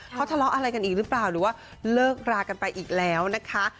เขาทะเลาะอะไรกันอีกหรือเปล่าหรือว่าเลิกรากันไปอีกแล้วนะคะ